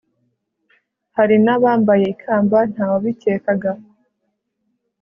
hari n’abambaye ikamba nta wabikekaga